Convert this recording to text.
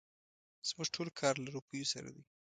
زموږ ټول کار له روپيو سره دی.